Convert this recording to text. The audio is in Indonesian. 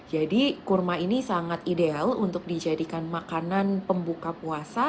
jadi kurma ini sangat ideal untuk dijadikan makanan pembuka puasa